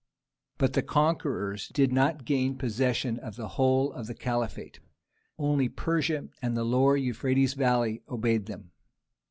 But the conquerors did not gain possession of the whole of the Caliphate; only Persia and the Lower Euphrates Valley obeyed them.